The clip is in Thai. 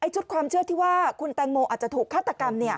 ชุดความเชื่อที่ว่าคุณแตงโมอาจจะถูกฆาตกรรม